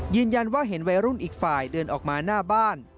เห็นว่าเห็นวัยรุ่นอีกฝ่ายเดินออกมาหน้าบ้าน